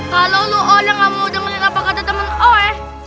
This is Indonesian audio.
kalau lu orang gak mau dengerin apa kata temen oe